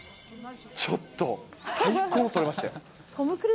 ちょっと、最高の撮れましたよ。